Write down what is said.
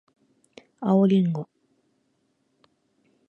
青りんご